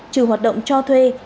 trừ hoạt động cho thuê